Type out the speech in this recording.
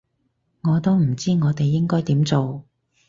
我都唔知我哋應該點做